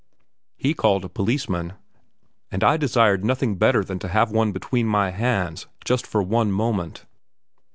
He called a policeman, and I desired nothing better than to have one between my hands just for one moment.